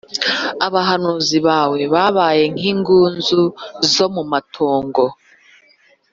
abahanuzi bawe babaye nk ingunzu zo mu matongo